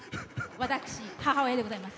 私、母親でございます。